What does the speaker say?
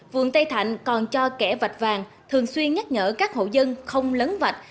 vườn tây thạnh còn cho kẻ vạch vàng thường xuyên nhắc nhở các hộ dân không lấn vạch